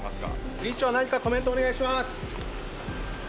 理事長何かコメントをお願いします。